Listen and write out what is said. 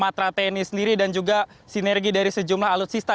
matra tni sendiri dan juga sinergi dari sejumlah alutsista